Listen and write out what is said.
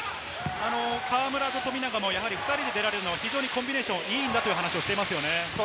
河村と富永もやはり２人に出られるのがコンビネーションいいんだと話していますね。